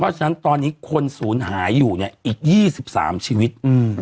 เพราะฉะนั้นตอนนี้คนศูนย์หายอยู่เนี่ยอีก๒๓ชีวิต